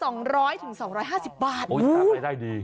โอ้ยทำให้ได้ดี